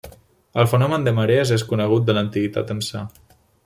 El fenomen de marees és conegut de l'antiguitat ençà.